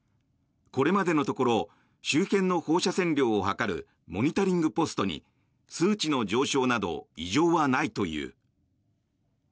これまでのところ周辺の放射線量を測るモニタリングポストに数値の上昇など異常はないという。